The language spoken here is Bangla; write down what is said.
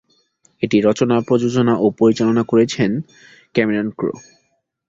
এটি রচনা, প্রযোজনা ও পরিচালনা করেছেন ক্যামেরন ক্রো।